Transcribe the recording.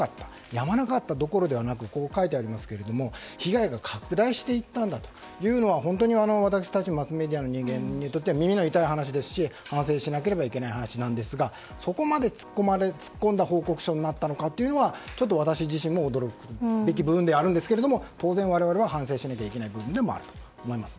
やまなかったどころではなく被害が拡大していったんだと本当に、私たちマスメディアの人間にとっても耳の痛い話ですし反省しなければいけない話ですがそこまで突っ込んだ報告書になったのかというのはちょっと私自身も驚きの部分でもあるんですが当然、我々は反省しなきゃいけない部分であると思います。